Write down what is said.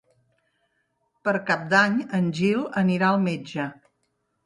Per Cap d'Any en Gil anirà al metge.